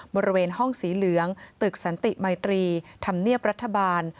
บริเวณห้องสีเหลืองตึกสันติมัยตรีธรรมเนียบรัฐบาล